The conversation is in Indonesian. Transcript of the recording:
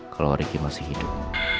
kalau ricky masih hidup